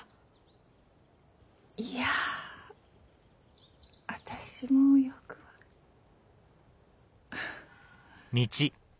いや私もよくは。